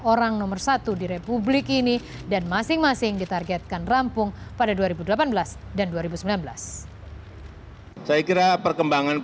orang nomor satu di republik ini dan masing masing ditargetkan rampung pada dua ribu delapan belas dan dua ribu sembilan belas saya kira perkembangan